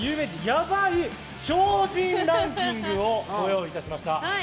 ヤバい超人ランキングをご用意しました。